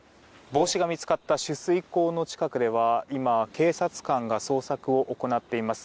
帽子が見つかった取水口の近くでは今、警察官が捜索を行っています。